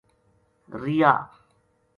رہیا